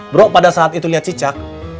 bro pada saat itu lihat cicak